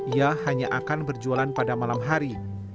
ia hanya akan berjualan pada malam hari